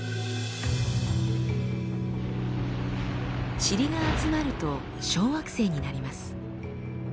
チリが集まると小惑星になります。